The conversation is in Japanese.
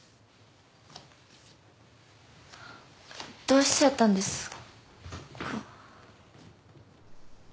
どうしちゃったんですか？